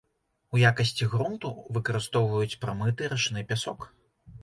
У якасці грунту выкарыстоўваюць прамыты рачны пясок.